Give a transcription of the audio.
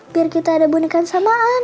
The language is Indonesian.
biar kita ada bonekaan samaan